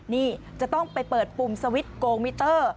นี่จะต้องไปเปิดปุ่มสวิตช์โกงมิเตอร์